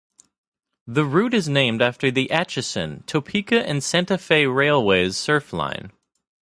The route is named after the Atchison, Topeka and Santa Fe Railway's Surf Line.